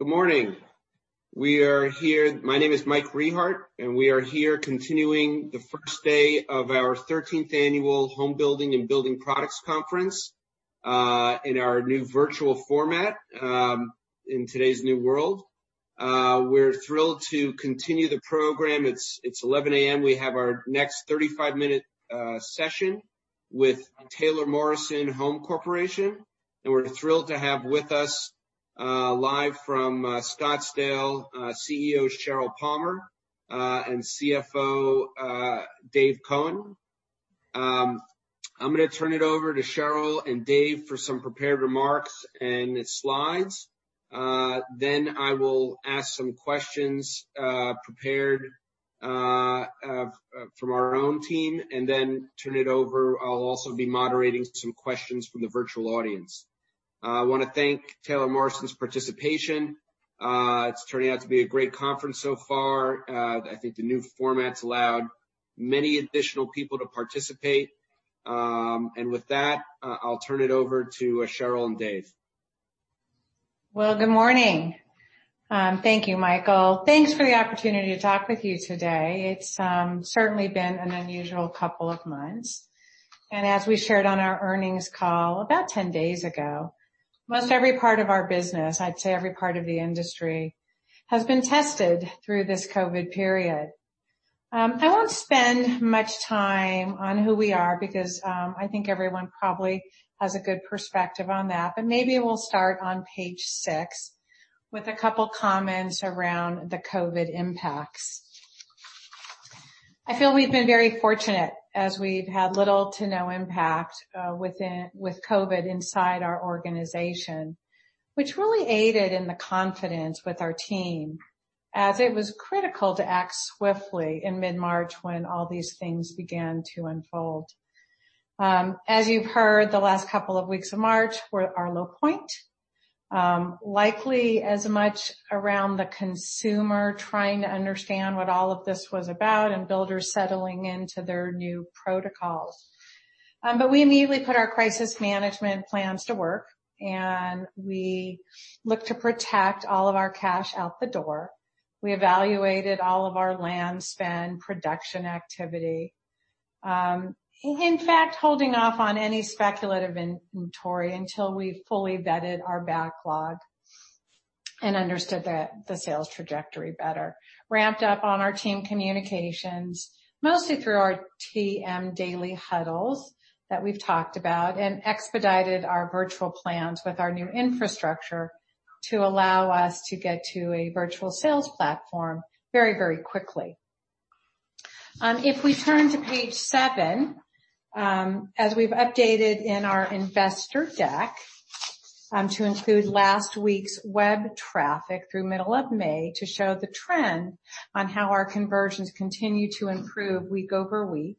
Good morning. We are here, my name is Mike Rehaut, and we are here continuing the first day of our 13th annual Home Building and Building Products Conference in our new virtual format in today's new world. We're thrilled to continue the program. It's 11:00 a.m. We have our next 35-minute session with Taylor Morrison Home Corporation, and we're thrilled to have with us, live from Scottsdale, CEO Sheryl Palmer and CFO Dave Cone. I'm going to turn it over to Sheryl and Dave for some prepared remarks and slides. Then I will ask some questions prepared from our own team, and then turn it over. I'll also be moderating some questions from here, my name is Mike Rehaut, and we are here continuing the first day of our 13th annual Home Building the virtual audience. I want to thank Taylor Morrison's participation. It's turning out to be a great conference so far. I think the new format's allowed many additional people to participate. With that, I'll turn it over to Sheryl and Dave. Good morning. Thank you, Michael. Thanks for the opportunity to talk with you today. It's certainly been an unusual couple of months. And as we shared on our earnings call about 10 days ago, most every part of our business, I'd say every part of the industry, has been tested through this COVID period. I won't spend much time on who we are because I think everyone probably has a good perspective on that. But maybe we'll start on page six with a couple of comments around the COVID impacts. I feel we've been very fortunate as we've had little to no impact with COVID inside our organization, which really aided in the confidence with our team, as it was critical to act swiftly in mid-March when all these things began to unfold. As you've heard, the last couple of weeks of March were our low point, likely as much around the consumer trying to understand what all of this was about and builders settling into their new protocols. But we immediately put our crisis management plans to work, and we looked to protect all of our cash out the door. We evaluated all of our land spend production activity, in fact, holding off on any speculative inventory until we fully vetted our backlog and understood the sales trajectory better. Ramped up on our team communications, mostly through our TM daily huddles that we've talked about, and expedited our virtual plans with our new infrastructure to allow us to get to a virtual sales platform very, very quickly. If we turn to page seven, as we've updated in our investor deck to include last week's web traffic through middle of May to show the trend on how our conversions continue to improve week over week,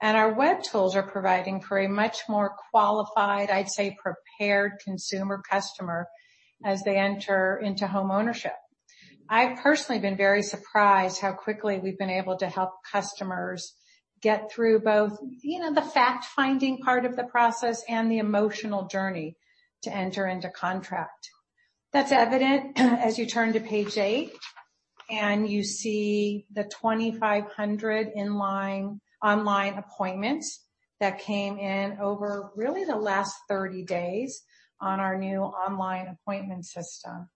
and our web tools are providing for a much more qualified, I'd say, prepared consumer customer as they enter into homeownership. I've personally been very surprised how quickly we've been able to help customers get through both the fact-finding part of the process and the emotional journey to enter into contract. That's evident as you turn to page eight, and you see the 2,500 online appointments that came in over really the last 30 days on our new online appointment system.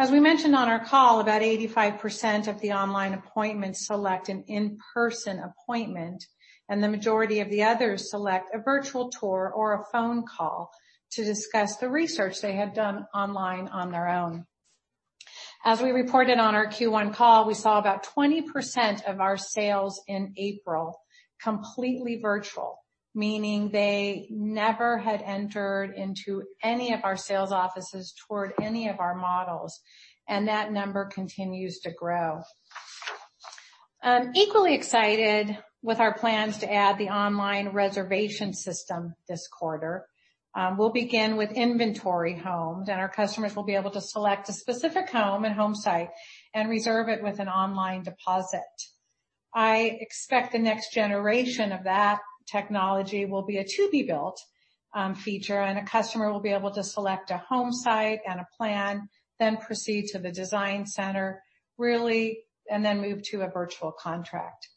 As we mentioned on our call, about 85% of the online appointments select an in-person appointment, and the majority of the others select a virtual tour or a phone call to discuss the research they had done online on their own. As we reported on our Q1 call, we saw about 20% of our sales in April completely virtual, meaning they never had entered into any of our sales offices toward any of our models, and that number continues to grow. Equally excited with our plans to add the online reservation system this quarter, we'll begin with inventory homes, and our customers will be able to select a specific home and home site and reserve it with an online deposit. I expect the next generation of that technology will be a to-be-built feature, and a customer will be able to select a home site and a plan, then proceed to the design center, really, and then move to a virtual contract.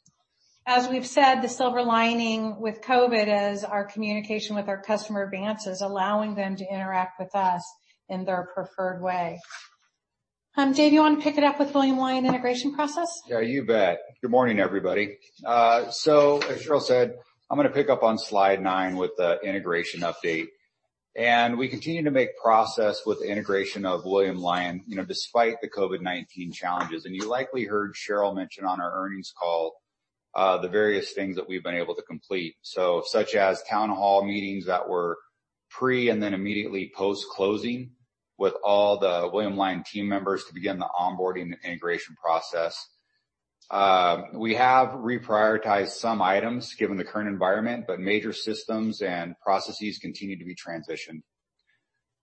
As we've said, the silver lining with COVID is our communication with our customer advances, allowing them to interact with us in their preferred way. Dave, you want to pick it up with William Lyon integration process? Yeah, you bet. Good morning, everybody, so as Sheryl said, I'm going to pick up on slide nine with the integration update and we continue to make progress with the integration of William Lyon, despite the COVID-19 challenges and you likely heard Sheryl mention on our earnings call the various things that we've been able to complete, such as town hall meetings that were pre- and then immediately post-closing with all the William Lyon team members to begin the onboarding and integration process. We have reprioritized some items given the current environment, but major systems and processes continue to be transitioned.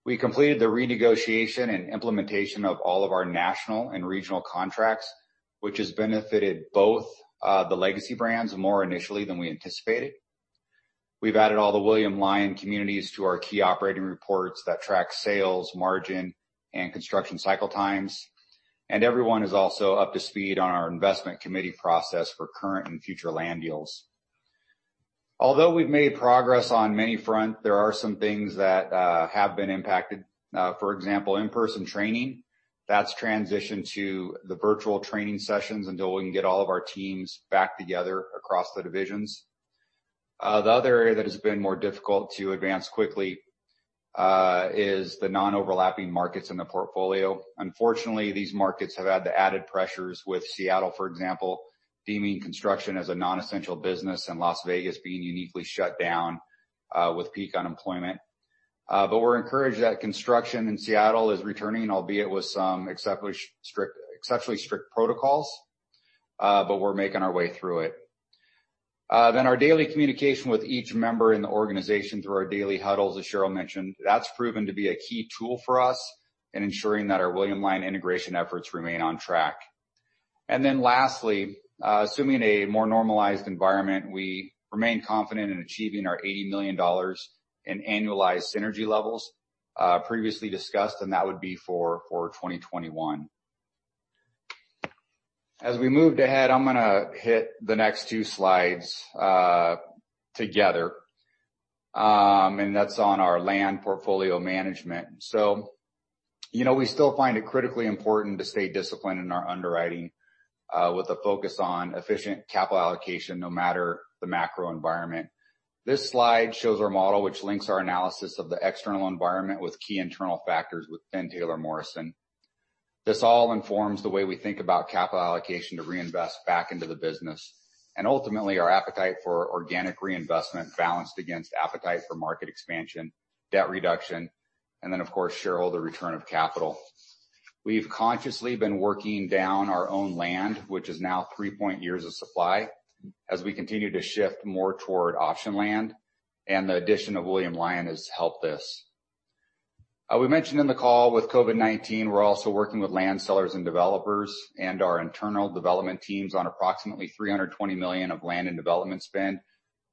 We completed the renegotiation and implementation of all of our national and regional contracts, which has benefited both the legacy brands more initially than we anticipated. We've added all the William Lyon communities to our key operating reports that track sales, margin, and construction cycle times. And everyone is also up to speed on our investment committee process for current and future land deals. Although we've made progress on many fronts, there are some things that have been impacted. For example, in-person training, that's transitioned to the virtual training sessions until we can get all of our teams back together across the divisions. The other area that has been more difficult to advance quickly is the non-overlapping markets in the portfolio. Unfortunately, these markets have had the added pressures with Seattle, for example, deeming construction as a non-essential business, and Las Vegas being uniquely shut down with peak unemployment. But we're encouraged that construction in Seattle is returning, albeit with some exceptionally strict protocols, but we're making our way through it. Then our daily communication with each member in the organization through our daily huddles, as Sheryl mentioned, that's proven to be a key tool for us in ensuring that our William Lyon integration efforts remain on track, and then lastly, assuming a more normalized environment, we remain confident in achieving our $80 million in annualized synergy levels previously discussed, and that would be for 2021. As we moved ahead, I'm going to hit the next two slides together, and that's on our land portfolio management, so we still find it critically important to stay disciplined in our underwriting with a focus on efficient capital allocation no matter the macro environment. This slide shows our model, which links our analysis of the external environment with key internal factors within Taylor Morrison. This all informs the way we think about capital allocation to reinvest back into the business, and ultimately our appetite for organic reinvestment balanced against appetite for market expansion, debt reduction, and then, of course, Sheryl, the return of capital. We've consciously been working down our own land, which is now three-point years of supply, as we continue to shift more toward option land, and the addition of William Lyon has helped this. We mentioned in the call with COVID-19, we're also working with land sellers and developers and our internal development teams on approximately $320 million of land and development spend,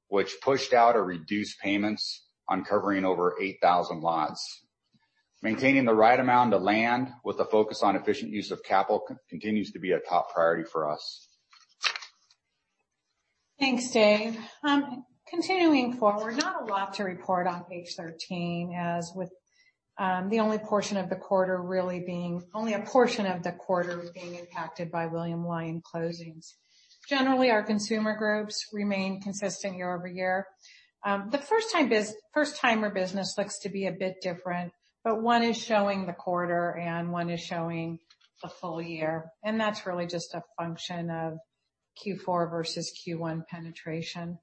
which pushed out or reduced payments on covering over 8,000 lots. Maintaining the right amount of land with a focus on efficient use of capital continues to be a top priority for us. Thanks, Dave. Continuing forward, not a lot to report on page 13, as with the only portion of the quarter really being impacted by William Lyon closings. Generally, our consumer groups remain consistent year over year. The first-timer business looks to be a bit different, but one is showing the quarter and one is showing the full year. And that's really just a function of Q4 versus Q1 penetration.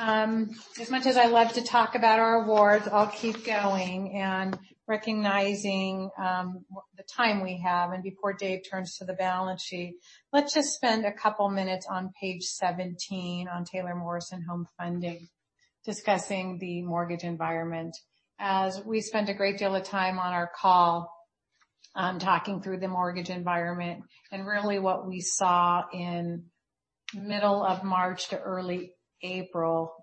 As much as I love to talk about our awards, I'll keep going and recognizing the time we have. And before Dave turns to the balance sheet, let's just spend a couple of minutes on page 17 on Taylor Morrison Home Funding, discussing the mortgage environment, as we spend a great deal of time on our call talking through the mortgage environment and really what we saw in the middle of March to early April.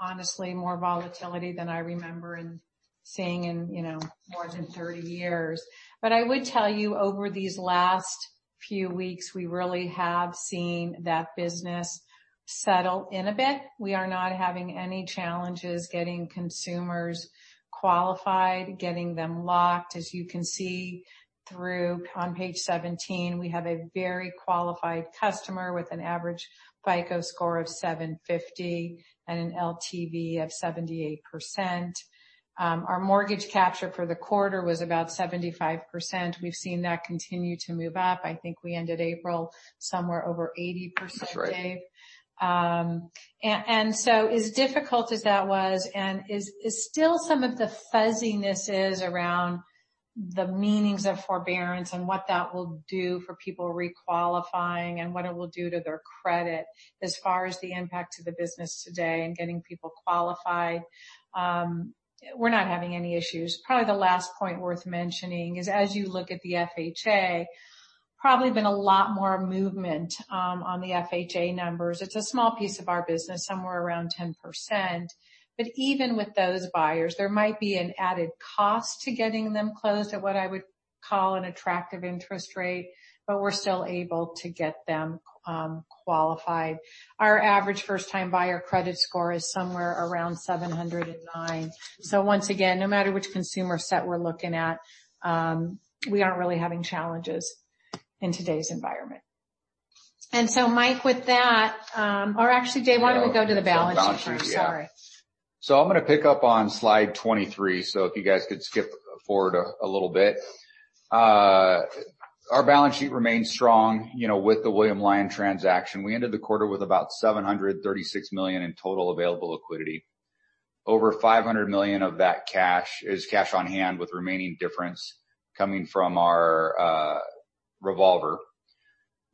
Honestly, more volatility than I remember and seeing in more than 30 years. But I would tell you over these last few weeks, we really have seen that business settle in a bit. We are not having any challenges getting consumers qualified, getting them locked. As you can see through on page 17, we have a very qualified customer with an average FICO score of 750 and an LTV of 78%. Our mortgage capture for the quarter was about 75%. We've seen that continue to move up. I think we ended April somewhere over 80%, Dave. And so as difficult as that was and still some of the fuzziness is around the meanings of forbearance and what that will do for people requalifying and what it will do to their credit as far as the impact to the business today and getting people qualified, we're not having any issues. Probably the last point worth mentioning is as you look at the FHA, probably been a lot more movement on the FHA numbers. It's a small piece of our business, somewhere around 10%. But even with those buyers, there might be an added cost to getting them closed at what I would call an attractive interest rate, but we're still able to get them qualified. Our average first-time buyer credit score is somewhere around 709. So once again, no matter which consumer set we're looking at, we aren't really having challenges in today's environment. And so Mike with that, or actually, Dave, why don't we go to the balance sheet? I'm sorry. So I'm going to pick up on slide 23. So if you guys could skip forward a little bit. Our balance sheet remains strong with the William Lyon transaction. We ended the quarter with about $736 million in total available liquidity. Over $500 million of that cash is cash on hand with remaining difference coming from our revolver.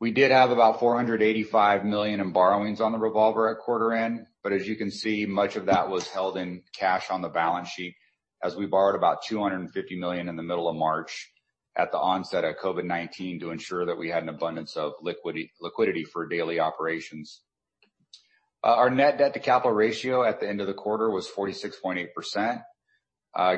We did have about $485 million in borrowings on the revolver at quarter end, but as you can see, much of that was held in cash on the balance sheet as we borrowed about $250 million in the middle of March at the onset of COVID-19 to ensure that we had an abundance of liquidity for daily operations. Our net debt to capital ratio at the end of the quarter was 46.8%.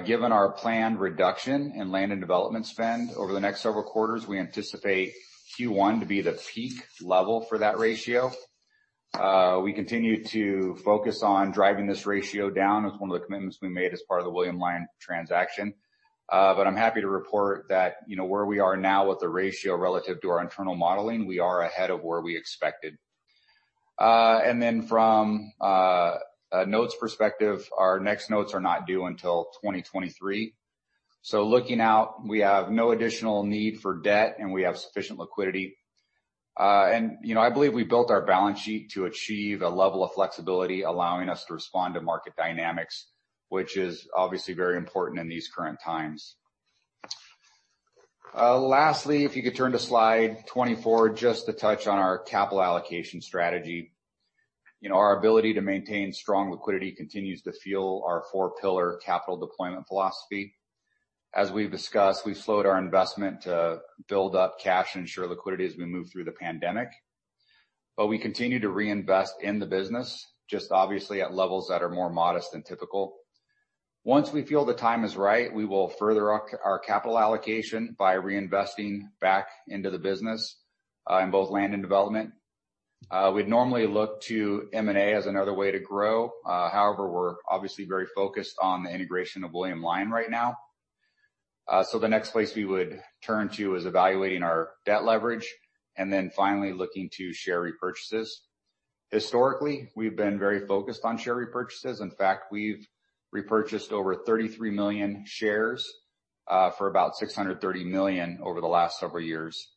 Given our planned reduction in land and development spend over the next several quarters, we anticipate Q1 to be the peak level for that ratio. We continue to focus on driving this ratio down. It's one of the commitments we made as part of the William Lyon transaction. But I'm happy to report that where we are now with the ratio relative to our internal modeling, we are ahead of where we expected. And then from a notes perspective, our next notes are not due until 2023. So looking out, we have no additional need for debt, and we have sufficient liquidity. And I believe we built our balance sheet to achieve a level of flexibility allowing us to respond to market dynamics, which is obviously very important in these current times. Lastly, if you could turn to slide 24 just to touch on our capital allocation strategy. Our ability to maintain strong liquidity continues to fuel our four-pillar capital deployment philosophy. As we've discussed, we've slowed our investment to build up cash and ensure liquidity as we move through the pandemic. But we continue to reinvest in the business, just obviously at levels that are more modest than typical. Once we feel the time is right, we will further up our capital allocation by reinvesting back into the business in both land and development. We'd normally look to M&A as another way to grow. However, we're obviously very focused on the integration of William Lyon right now. So the next place we would turn to is evaluating our debt leverage and then finally looking to share repurchases. Historically, we've been very focused on share repurchases. In fact, we've repurchased over 33 million shares for about $630 million over the last several years.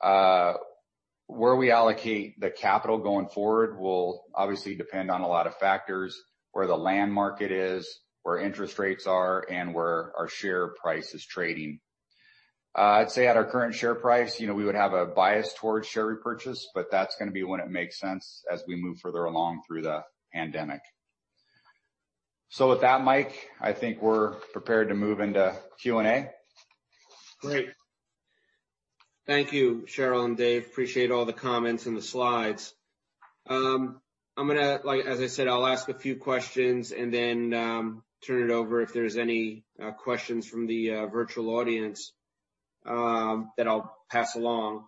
Where we allocate the capital going forward will obviously depend on a lot of factors: where the land market is, where interest rates are, and where our share price is trading. I'd say at our current share price, we would have a bias towards share repurchase, but that's going to be when it makes sense as we move further along through the pandemic. So with that, Mike, I think we're prepared to move into Q&A. Great. Thank you, Sheryl and Dave. Appreciate all the comments and the slides. As I said, I'll ask a few questions and then turn it over if there's any questions from the virtual audience that I'll pass along.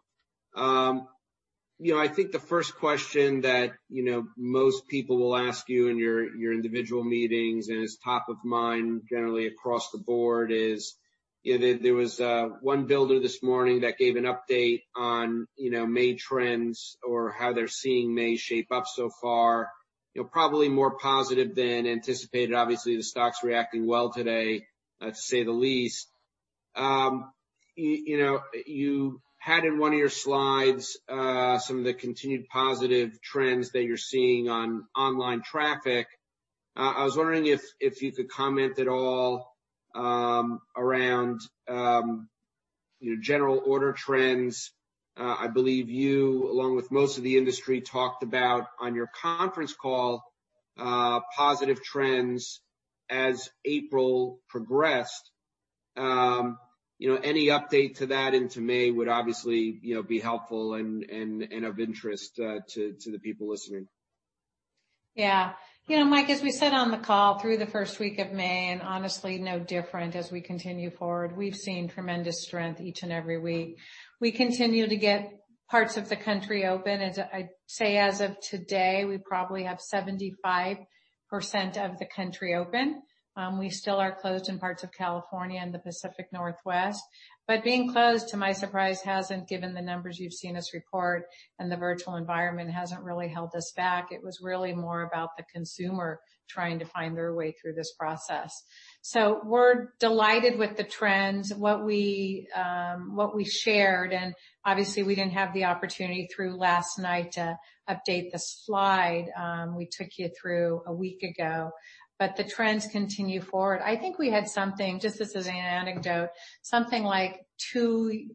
I think the first question that most people will ask you in your individual meetings and is top of mind generally across the board is there was one builder this morning that gave an update on May trends or how they're seeing May shape up so far, probably more positive than anticipated. Obviously, the stock's reacting well today, to say the least. You had in one of your slides some of the continued positive trends that you're seeing on online traffic. I was wondering if you could comment at all around general order trends. I believe you, along with most of the industry, talked about, on your conference call, positive trends as April progressed. Any update to that into May would obviously be helpful and of interest to the people listening. Yeah. Mike, as we said on the call through the first week of May, and honestly, no different as we continue forward, we've seen tremendous strength each and every week. We continue to get parts of the country open. I'd say as of today, we probably have 75% of the country open. We still are closed in parts of California and the Pacific Northwest. But being closed, to my surprise, hasn't given the numbers you've seen us report, and the virtual environment hasn't really held us back. It was really more about the consumer trying to find their way through this process. So we're delighted with the trends, what we shared. And obviously, we didn't have the opportunity through last night to update this slide. We took you through a week ago. But the trends continue forward. I think we had something, just as an anecdote, something like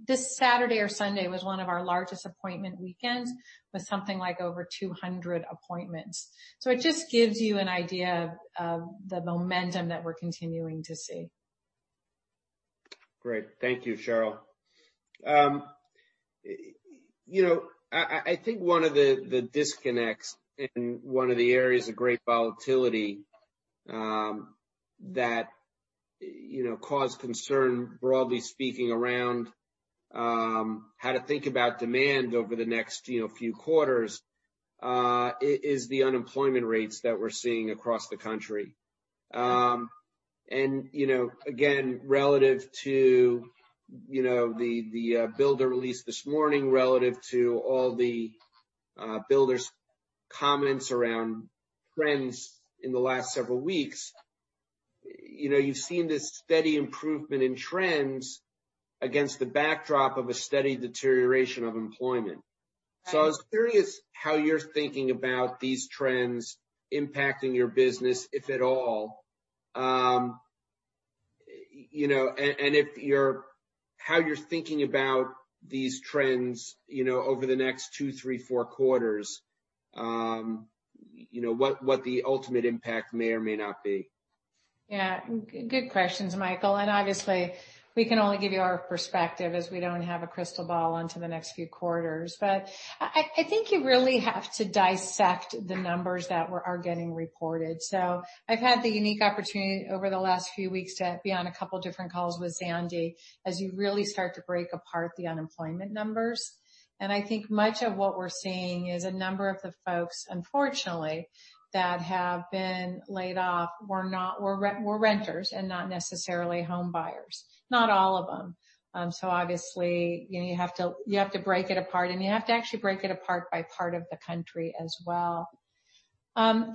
this Saturday or Sunday was one of our largest appointment weekends with something like over 200 appointments. So it just gives you an idea of the momentum that we're continuing to see. Great. Thank you, Sheryl. I think one of the disconnects in one of the areas of great volatility that caused concern, broadly speaking, around how to think about demand over the next few quarters is the unemployment rates that we're seeing across the country, and again, relative to the builder released this morning, relative to all the builders' comments around trends in the last several weeks, you've seen this steady improvement in trends against the backdrop of a steady deterioration of employment, so I was curious how you're thinking about these trends impacting your business, if at all, and how you're thinking about these trends over the next two, three, four quarters, what the ultimate impact may or may not be. Yeah. Good questions, Michael. And obviously, we can only give you our perspective as we don't have a crystal ball onto the next few quarters. But I think you really have to dissect the numbers that are getting reported. So I've had the unique opportunity over the last few weeks to be on a couple of different calls with zandi as you really start to break apart the unemployment numbers. And I think much of what we're seeing is a number of the folks, unfortunately, that have been laid off were renters and not necessarily home buyers. Not all of them. So obviously, you have to break it apart, and you have to actually break it apart by part of the country as well.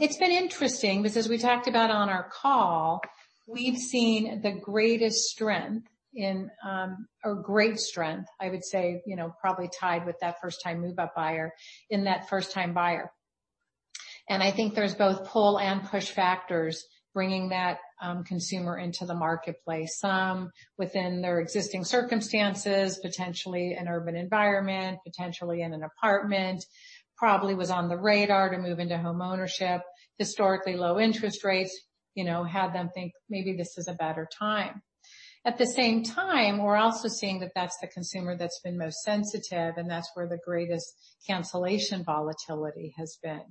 It's been interesting because as we talked about on our call, we've seen the greatest strength, or great strength, I would say, probably tied with that first-time move-up buyer in that first-time buyer, and I think there's both pull and push factors bringing that consumer into the marketplace. Some within their existing circumstances, potentially an urban environment, potentially in an apartment, probably was on the radar to move into home ownership. Historically, low interest rates had them think maybe this is a better time. At the same time, we're also seeing that that's the consumer that's been most sensitive, and that's where the greatest cancellation volatility has been,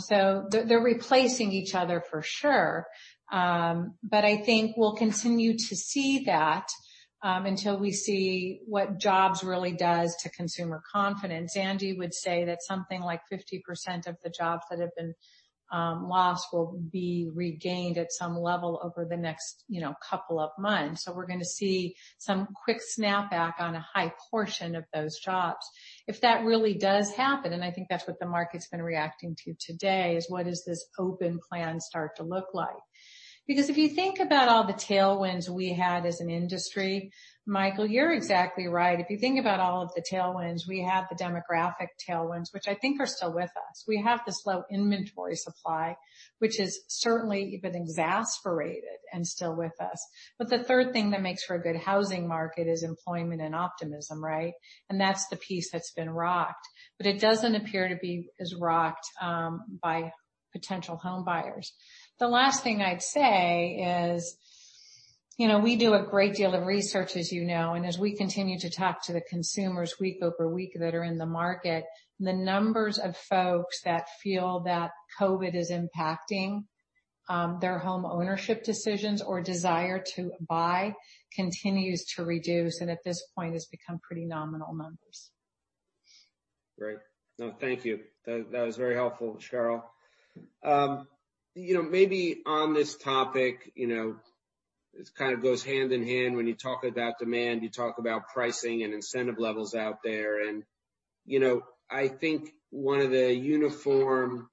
so they're replacing each other for sure, but I think we'll continue to see that until we see what jobs really does to consumer confidence. Zandi would say that something like 50% of the jobs that have been lost will be regained at some level over the next couple of months, so we're going to see some quick snapback on a high portion of those jobs. If that really does happen, and I think that's what the market's been reacting to today, is what does this opening plan start to look like? Because if you think about all the tailwinds we had as an industry, Michael, you're exactly right. If you think about all of the tailwinds, we had the demographic tailwinds, which I think are still with us. We have the low inventory supply, which has certainly been exacerbated and still with us, but the third thing that makes for a good housing market is employment and optimism, right, and that's the piece that's been rocked. But it doesn't appear to be as rocked by potential home buyers. The last thing I'd say is we do a great deal of research, as you know, and as we continue to talk to the consumers week over week that are in the market, the numbers of folks that feel that COVID is impacting their home ownership decisions or desire to buy continues to reduce and at this point has become pretty nominal numbers. Great. No, thank you. That was very helpful, Sheryl. Maybe on this topic, it kind of goes hand in hand. When you talk about demand, you talk about pricing and incentive levels out there. And I think one of the uniform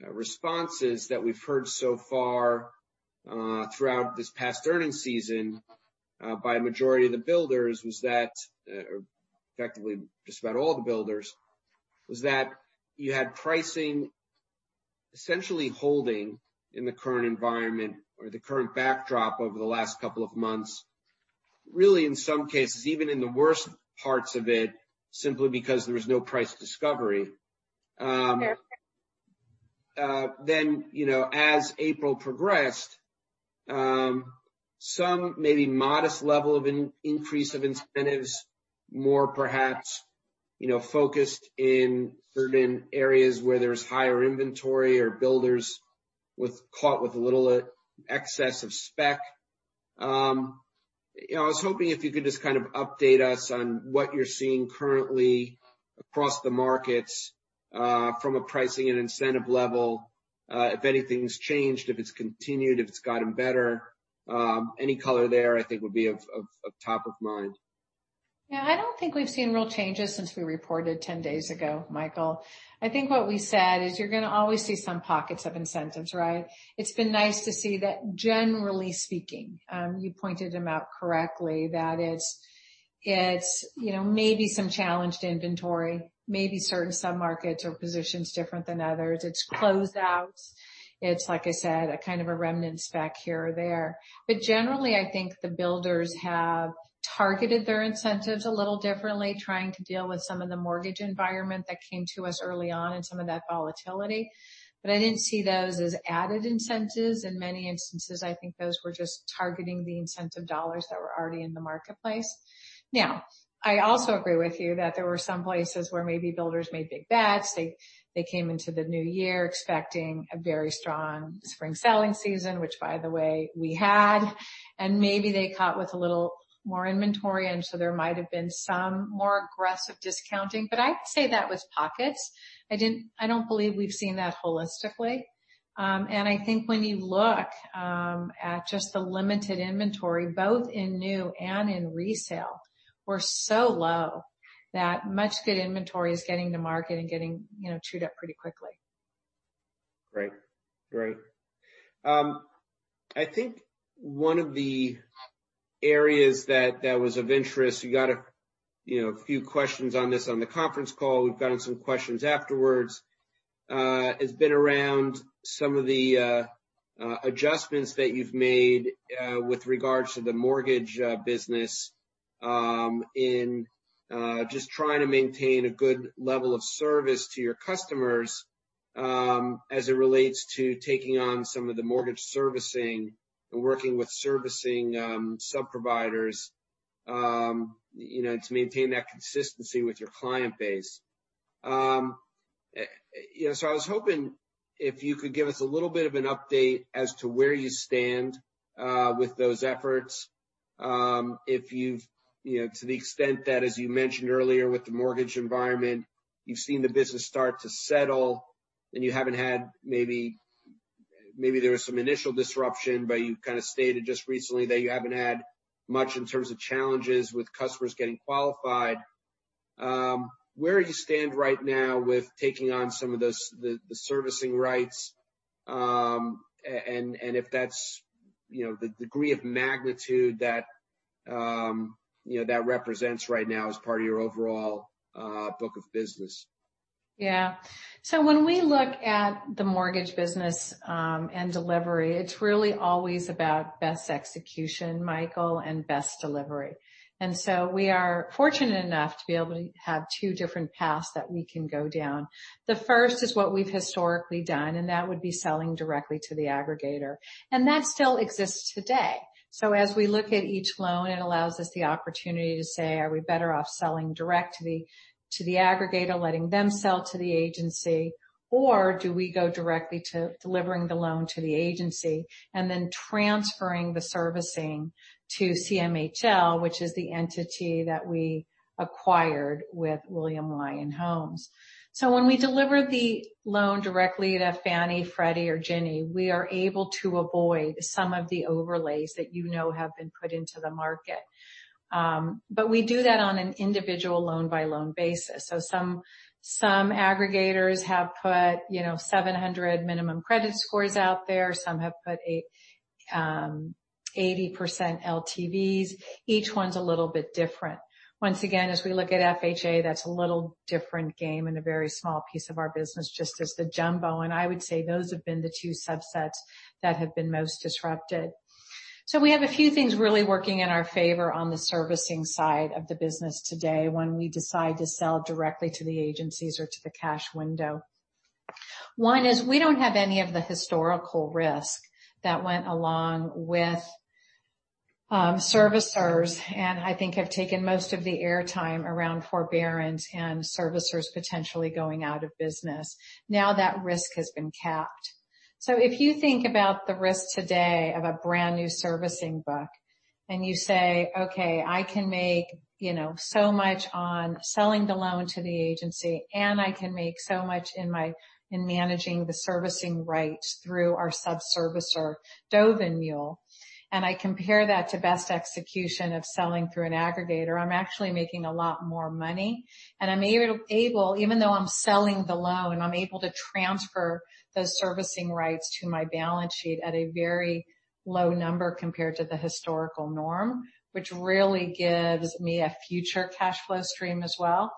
responses that we've heard so far throughout this past earnings season by a majority of the builders was that, effectively, just about all the builders, was that you had pricing essentially holding in the current environment or the current backdrop over the last couple of months, really in some cases, even in the worst parts of it, simply because there was no price discovery. Then as April progressed, some maybe modest level of increase of incentives, more perhaps focused in certain areas where there's higher inventory or builders caught with a little excess of spec. I was hoping if you could just kind of update us on what you're seeing currently across the markets from a pricing and incentive level, if anything's changed, if it's continued, if it's gotten better. Any color there, I think, would be top of mind. Yeah. I don't think we've seen real changes since we reported 10 days ago, Michael. I think what we said is you're going to always see some pockets of incentives, right? It's been nice to see that, generally speaking. You pointed them out correctly, that it's maybe some challenged inventory, maybe certain submarkets or positions different than others. It's closed out. It's, like I said, a kind of a remnant spec here or there. But generally, I think the builders have targeted their incentives a little differently, trying to deal with some of the mortgage environment that came to us early on and some of that volatility. But I didn't see those as added incentives. In many instances, I think those were just targeting the incentive dollars that were already in the marketplace. Now, I also agree with you that there were some places where maybe builders made big bets. They came into the new year expecting a very strong spring selling season, which, by the way, we had, and maybe they caught with a little more inventory, and so there might have been some more aggressive discounting, but I'd say that was pockets. I don't believe we've seen that holistically, and I think when you look at just the limited inventory, both in new and in resale, we're so low that much good inventory is getting to market and getting chewed up pretty quickly. Great. Great. I think one of the areas that was of interest. You got a few questions on this on the conference call. We've gotten some questions afterwards. It's been around some of the adjustments that you've made with regards to the mortgage business in just trying to maintain a good level of service to your customers as it relates to taking on some of the mortgage servicing and working with servicing subservicers to maintain that consistency with your client base. So I was hoping if you could give us a little bit of an update as to where you stand with those efforts, to the extent that, as you mentioned earlier with the mortgage environment, you've seen the business start to settle, and you haven't had maybe there was some initial disruption, but you kind of stated just recently that you haven't had much in terms of challenges with customers getting qualified. Where you stand right now with taking on some of the servicing rights and if that's the degree of magnitude that represents right now as part of your overall book of business? Yeah. So when we look at the mortgage business and delivery, it's really always about best execution, Michael, and best delivery. And so we are fortunate enough to be able to have two different paths that we can go down. The first is what we've historically done, and that would be selling directly to the aggregator. And that still exists today. So as we look at each loan, it allows us the opportunity to say, are we better off selling direct to the aggregator, letting them sell to the agency, or do we go directly to delivering the loan to the agency and then transferring the servicing to CMHL, which is the entity that we acquired with William Lyon Homes? So when we deliver the loan directly to Fannie, Freddie, or Ginnie, we are able to avoid some of the overlays that you know have been put into the market. But we do that on an individual loan-by-loan basis. So some aggregators have put 700 minimum credit scores out there. Some have put 80% LTVs. Each one's a little bit different. Once again, as we look at FHA, that's a little different game and a very small piece of our business just as the jumbo. And I would say those have been the two subsets that have been most disrupted. So we have a few things really working in our favor on the servicing side of the business today when we decide to sell directly to the agencies or to the cash window. One is we don't have any of the historical risk that went along with servicers and I think have taken most of the airtime around forbearance and servicers potentially going out of business. Now that risk has been capped. So if you think about the risk today of a brand new servicing book and you say, "Okay, I can make so much on selling the loan to the agency, and I can make so much in managing the servicing rights through our subservicer, Dovenmuehle," and I compare that to best execution of selling through an aggregator, I'm actually making a lot more money. And I'm able, even though I'm selling the loan, I'm able to transfer those servicing rights to my balance sheet at a very low number compared to the historical norm, which really gives me a future cash flow stream as well.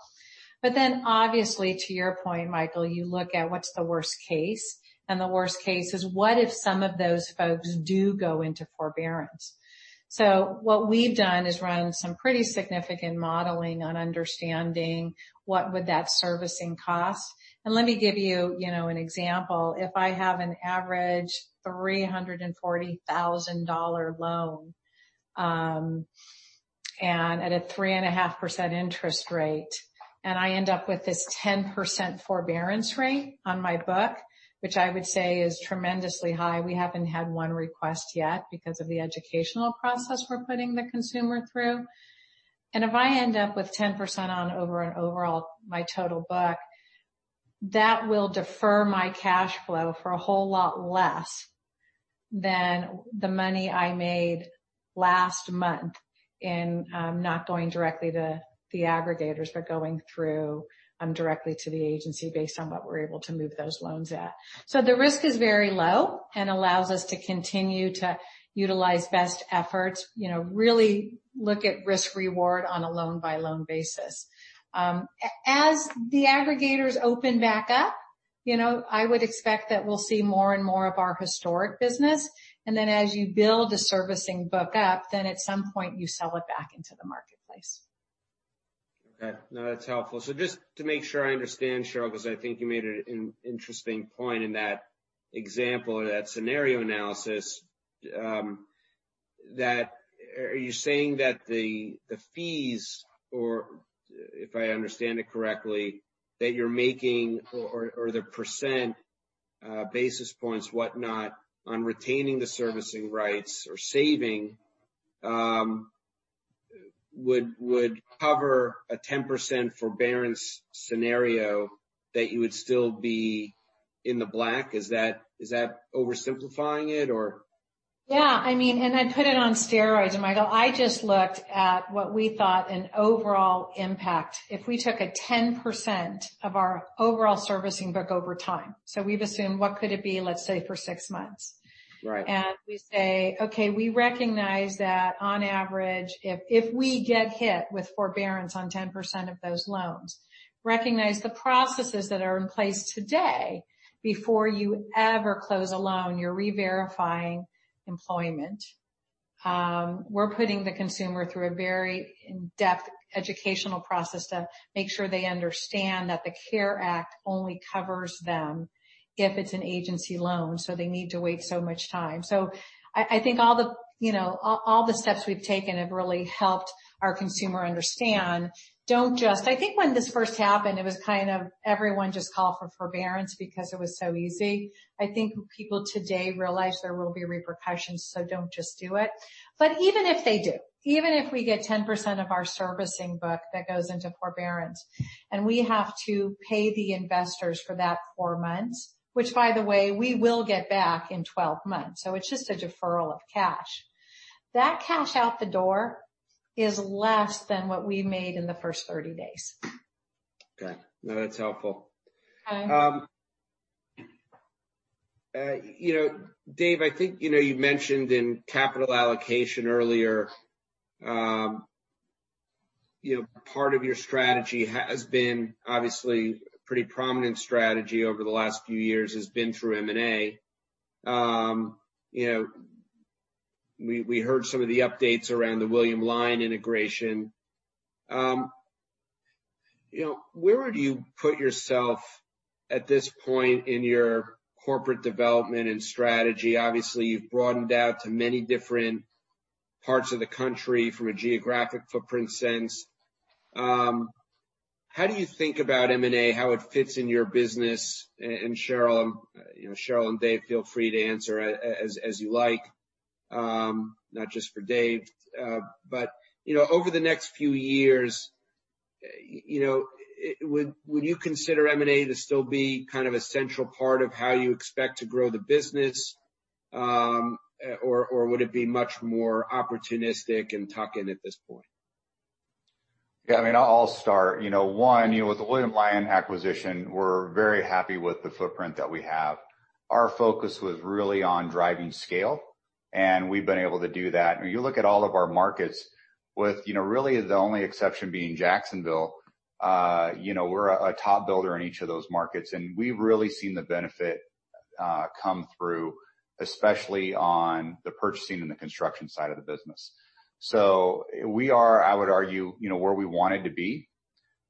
But then, obviously, to your point, Michael, you look at what's the worst case. And the worst case is what if some of those folks do go into forbearance? So what we've done is run some pretty significant modeling on understanding what would that servicing cost. And let me give you an example. If I have an average $340,000 loan at a 3.5% interest rate and I end up with this 10% forbearance rate on my book, which I would say is tremendously high, we haven't had one request yet because of the educational process we're putting the consumer through. And if I end up with 10% over and over on my total book, that will defer my cash flow for a whole lot less than the money I made last month in not going directly to the aggregators but going directly to the agency based on what we're able to move those loans at. So the risk is very low and allows us to continue to utilize best efforts, really look at risk-reward on a loan-by-loan basis. As the aggregators open back up, I would expect that we'll see more and more of our historic business, and then as you build a servicing book up, then at some point, you sell it back into the marketplace. Okay. No, that's helpful, so just to make sure I understand, Sheryl, because I think you made an interesting point in that example or that scenario analysis, are you saying that the fees, or if I understand it correctly, that you're making or the percent basis points, whatnot, on retaining the servicing rights or saving would cover a 10% forbearance scenario that you would still be in the black? Is that oversimplifying it, or? Yeah. I mean, and I put it on steroids, Michael. I just looked at what we thought an overall impact if we took a 10% of our overall servicing book over time. So we've assumed what could it be, let's say, for six months. And we say, "Okay, we recognize that on average, if we get hit with forbearance on 10% of those loans, recognize the processes that are in place today before you ever close a loan, you're re-verifying employment." We're putting the consumer through a very in-depth educational process to make sure they understand that the CARES Act only covers them if it's an agency loan, so they need to wait so much time. So I think all the steps we've taken have really helped our consumer understand. I think when this first happened, it was kind of everyone just called for forbearance because it was so easy. I think people today realize there will be repercussions, so don't just do it. But even if they do, even if we get 10% of our servicing book that goes into forbearance and we have to pay the investors for that four months, which, by the way, we will get back in 12 months. So it's just a deferral of cash. That cash out the door is less than what we made in the first 30 days. Okay. No, that's helpful. Dave, I think you mentioned in capital allocation earlier, part of your strategy has been, obviously, a pretty prominent strategy over the last few years has been through M&A. We heard some of the updates around the William Lyon integration. Where would you put yourself at this point in your corporate development and strategy? Obviously, you've broadened out to many different parts of the country from a geographic footprint sense. How do you think about M&A, how it fits in your business? And Sheryl and Dave, feel free to answer as you like, not just for Dave. But over the next few years, would you consider M&A to still be kind of a central part of how you expect to grow the business, or would it be much more opportunistic and tuck-in at this point? Yeah. I mean, I'll start. One, with the William Lyon acquisition, we're very happy with the footprint that we have. Our focus was really on driving scale, and we've been able to do that. And you look at all of our markets, with really the only exception being Jacksonville, we're a top builder in each of those markets. And we've really seen the benefit come through, especially on the purchasing and the construction side of the business. So we are, I would argue, where we wanted to be.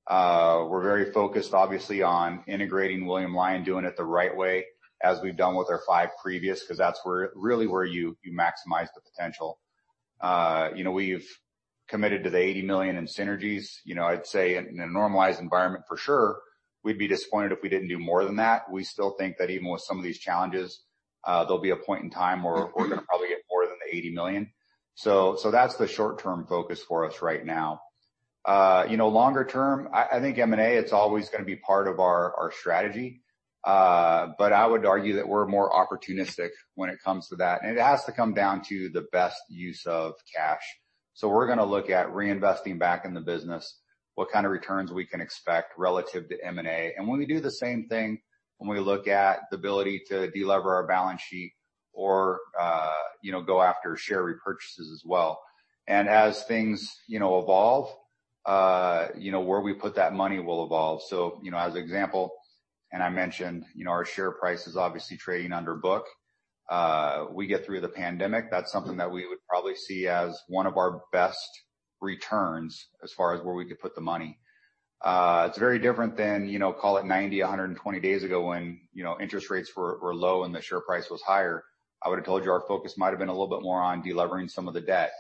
We're very focused, obviously, on integrating William Lyon, doing it the right way, as we've done with our five previous, because that's really where you maximize the potential. We've committed to the $80 million in synergies. I'd say in a normalized environment, for sure, we'd be disappointed if we didn't do more than that. We still think that even with some of these challenges, there'll be a point in time where we're going to probably get more than the $80 million. So that's the short-term focus for us right now. Longer term, I think M&A. It's always going to be part of our strategy. But I would argue that we're more opportunistic when it comes to that. And it has to come down to the best use of cash. So we're going to look at reinvesting back in the business, what kind of returns we can expect relative to M&A. And we do the same thing when we look at the ability to delever our balance sheet or go after share repurchases as well. And as things evolve, where we put that money will evolve. So as an example, and I mentioned our share price is obviously trading under book. We get through the pandemic. That's something that we would probably see as one of our best returns as far as where we could put the money. It's very different than, call it 90-120 days ago when interest rates were low and the share price was higher. I would have told you our focus might have been a little bit more on delivering some of the debt.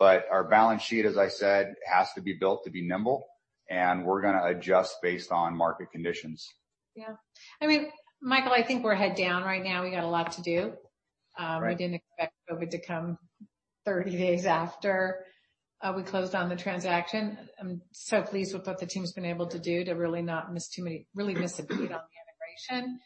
But our balance sheet, as I said, has to be built to be nimble, and we're going to adjust based on market conditions. Yeah. I mean, Michael, I think we're heads down right now. We got a lot to do. We didn't expect COVID to come 30 days after we closed on the transaction. I'm so pleased with what the team's been able to do to really not miss too many, really miss a beat on the integration.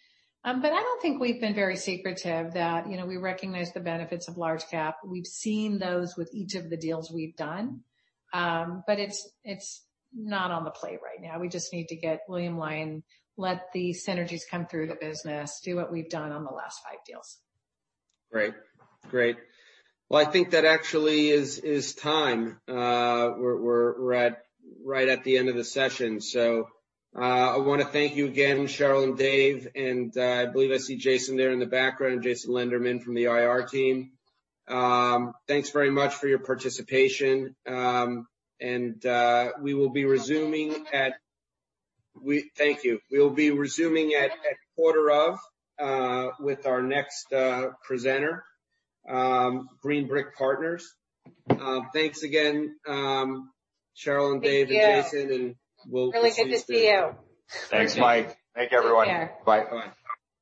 But I don't think we've been very secretive that we recognize the benefits of large cap. We've seen those with each of the deals we've done. But it's not on the plate right now. We just need to get William Lyon, let the synergies come through the business, do what we've done on the last five deals. Great. Great. Well, I think that actually is time. We're right at the end of the session. So I want to thank you again, Sheryl and Dave. And I believe I see Jason there in the background, Jason Lenderman from the IR team. Thanks very much for your participation. Thank you. We will be resuming at quarter to with our next presenter, Green Brick Partners. Thanks again, Sheryl and Dave and Jason. And we'll see you. Really good to see you. Thanks, Mike. Thank you, everyone. Bye. Bye-bye.